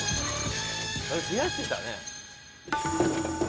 増やしてたね。